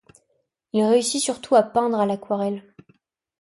Il réussit surtout à peindre à l’aquarelle.